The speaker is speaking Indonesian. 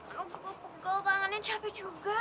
kau pegol pegol tangan nya cape juga